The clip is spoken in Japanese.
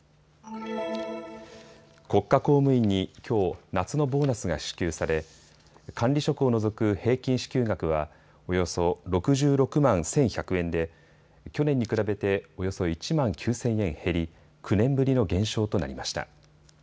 国家公務員にきょう、夏のボーナスが支給され管理職を除く平均支給額は、およそ６６万１１００円で去年に比べておよそ１万９０００円減り９年ぶりの減少となりました。